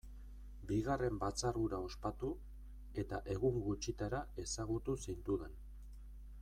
Bigarren batzar hura ospatu, eta egun gutxitara ezagutu zintudan.